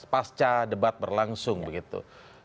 pasca debat berlangsung begitu